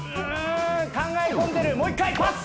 考え込んでるもう１回パス！